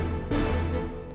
mari mandi masuk